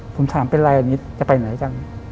ผมถามเป็นไรนิดจะไปไหนกัน